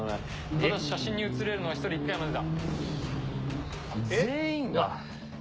ただし、写真に写れるのは１人１回までだ。